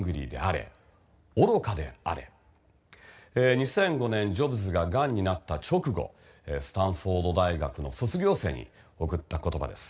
２００５年ジョブズががんになった直後スタンフォード大学の卒業生に贈った言葉です。